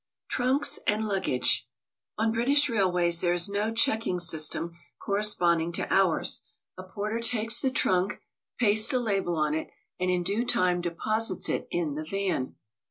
TRUNKS AND LUGGAGE. ^ On British railways there is no checking system corre sponding to ours. A porter takes the trunk, pastes a label on it, and in due time deposits it in the van.